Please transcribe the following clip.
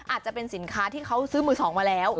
อาจจะเป็นสินค้าที่เขาซื้อมือสองมาแล้ว